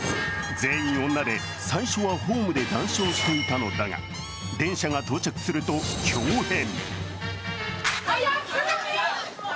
全員女で、最初はホームで談笑していたのだが、電車が到着するとひょう変。